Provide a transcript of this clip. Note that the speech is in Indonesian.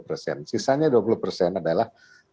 delapan puluh persen sisanya dua puluh persen adalah